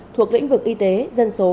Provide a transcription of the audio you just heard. thuộc lĩnh vực y tế dân số